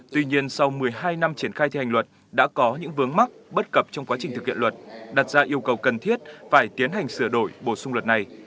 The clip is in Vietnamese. tuy nhiên sau một mươi hai năm triển khai thi hành luật đã có những vướng mắc bất cập trong quá trình thực hiện luật đặt ra yêu cầu cần thiết phải tiến hành sửa đổi bổ sung luật này